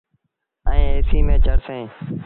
ائيٚݩ ايسيٚ ميݩ چڙسي۔